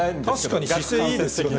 確かに姿勢いいですよね。